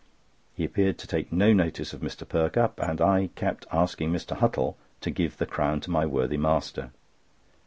He appeared to take no notice of Mr. Perkupp, and I kept asking Mr. Huttle to give the crown to my worthy master.